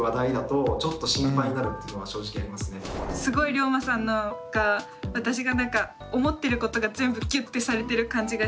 すごいりょうまさんのが私が思ってることが全部ぎゅってされてる感じがして。